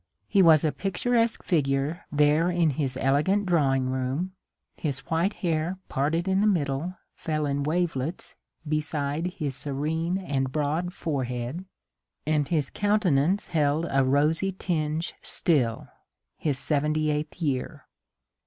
He was a picturesque figure there in his elegant drawing room ; his white hair parted in the middle fell in wavelets beside his serene and broad forehead, and his countenance held a rosy tinge still (his seventy eighth year).